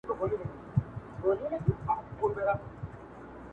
په سپوږمۍ كي زمـــا ژوندون دى,